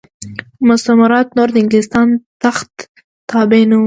مستعمرات نور د انګلستان تخت تابع نه وو.